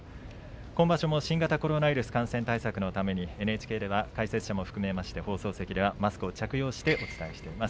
今場所も新型コロナウイルス感染対策のためにＮＨＫでは解説者も含めまして放送席ではマスクを着用してお伝えしています。